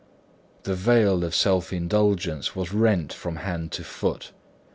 The veil of self indulgence was rent from head to foot.